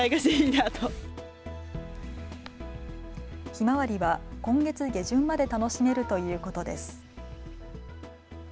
ひまわりは今月下旬まで楽しめるということです。